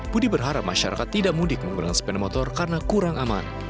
budi berharap masyarakat tidak mudik menggunakan sepeda motor karena kurang aman